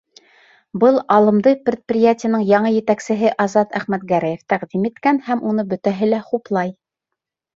Был алымды предприятиеның яңы етәксеһе Азат Әхмәтгәрәев тәҡдим иткән, һәм уны бөтәһе лә хуплай.